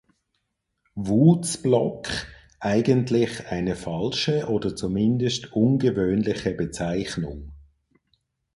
Wootz-Block, eigentlich eine falsche oder zumindest ungewöhnliche Bezeichnung.